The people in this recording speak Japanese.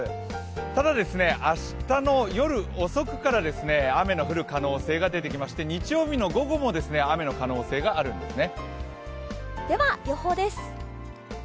ただ、明日の夜遅くから雨の降る可能性が出てきまして日曜日の午後も雨の可能性があるんですね。